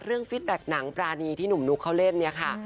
ฟิตแบ็คหนังปรานีที่หนุ่มนุ๊กเขาเล่นเนี่ยค่ะ